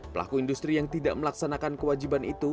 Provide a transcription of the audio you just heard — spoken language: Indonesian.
pelaku industri yang tidak melaksanakan kewajiban itu